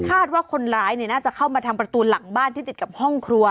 คาดว่าคนร้ายน่าจะเข้ามาทางประตูหลังบ้านที่ติดกับห้องครัว